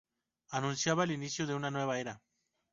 Anunciaba el inicio de una nueva era.